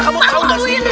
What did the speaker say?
kamu tau gak sih